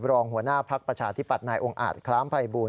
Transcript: รองหัวหน้าภาคประชาธิปัตย์นายองอาจคล้ามไพบูล